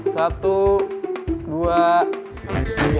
satu dua tiga